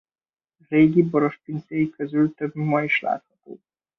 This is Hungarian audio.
Régi borospincéi közül több ma is látható.